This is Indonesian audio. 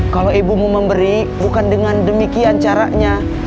kalo ibu mau memberi bukan dengan demikian caranya